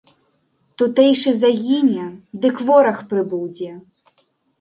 Тутэйшы загіне, дык вораг прыбудзе!